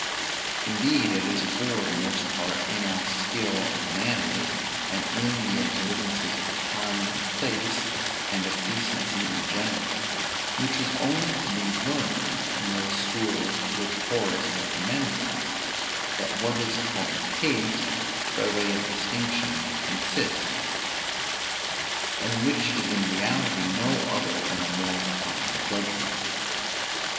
Indeed it is for the most part in our skill in manners, and in the observances of time and place, and of decency in general, which is only to be learned in those schools to which Horace recommends us, that what is called taste, by way of distinction, consists: and which is in reality no other than a more refined judgment.